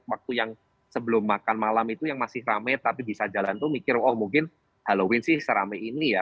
waktu yang sebelum makan malam itu yang masih rame tapi bisa jalan tuh mikir oh mungkin halloween sih seramai ini ya